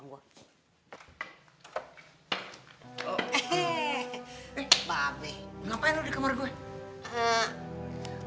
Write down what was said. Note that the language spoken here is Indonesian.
ngapain lo di kamar gue